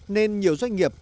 nên nhiều doanh nghiệp